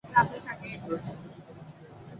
রয়েছে ছুটি, কেবল ছুটি, একটা ফাঁক।